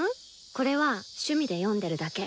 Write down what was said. これは趣味で読んでるだけ。